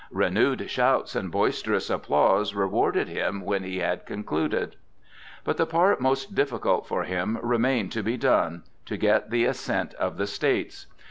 Renewed shouts and boisterous applause rewarded him when he had concluded. But the part most difficult for him remained to be done,—to get the assent of the States.